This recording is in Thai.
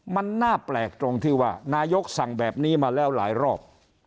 มันน่าแปลกตรงที่ว่านายกสั่งแบบนี้มาแล้วหลายรอบ